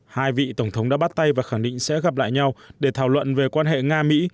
hai vị tổng thống đã bắt tay và khẳng định sẽ gặp lại nhau để thảo luận về quan hệ nga mỹ